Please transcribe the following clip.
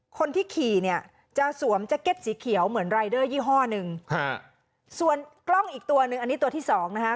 คนที่ขี่เนี่ยจะสวมแจ็คเก็ตสีเขียวเหมือนรายเดอร์ยี่ห้อหนึ่งฮะส่วนกล้องอีกตัวหนึ่งอันนี้ตัวที่สองนะคะ